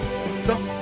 そう。